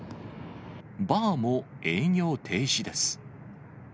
バーも営業停止です。